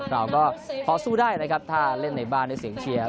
เราก็พอสู้ได้นะครับถ้าเล่นในบ้านด้วยเสียงเชียร์